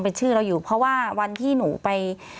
พี่เรื่องมันยังไงอะไรยังไง